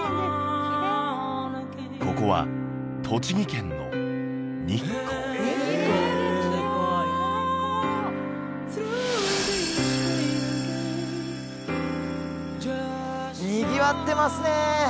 ここは栃木県の日光にぎわってますね！